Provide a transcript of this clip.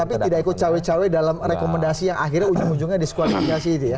tapi tidak ikut cawe cawe dalam rekomendasi yang akhirnya ujung ujungnya diskonasi